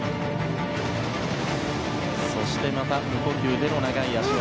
そしてまた無呼吸での長い脚技。